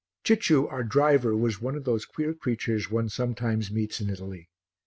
Cicciu, our driver, was one of those queer creatures one sometimes meets in Italy.